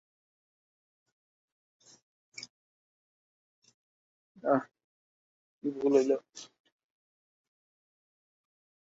শহরটির সবচেয়ে নিকটবর্তী আন্তর্জাতিক এবং আভ্যন্তরীণ বিমানবন্দর যথাক্রমে শাহজালাল আন্তর্জাতিক বিমানবন্দর।